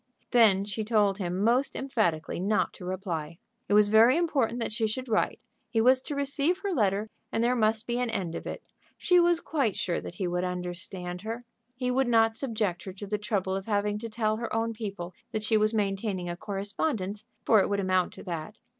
Then she told him most emphatically not to reply. It was very important that she should write. He was to receive her letter, and there must be an end of it. She was quite sure that he would understand her. He would not subject her to the trouble of having to tell her own people that she was maintaining a correspondence, for it would amount to that.